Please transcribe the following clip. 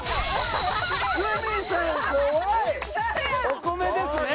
お米ですね。